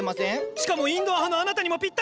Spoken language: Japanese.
しかもインドア派のあなたにもぴったり！